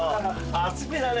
熱めだね